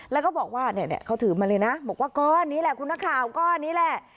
แล้วก็บอกว่าเนี่ยเขาถือมาเลยนะบอกว่าก้อนนี้แหละคุณนักข่าวก้อนนี้แหละ